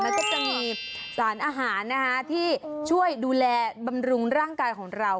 แล้วก็จะมีสารอาหารนะคะที่ช่วยดูแลบำรุงร่างกายของเรา